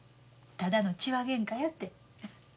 ただの痴話げんかやて。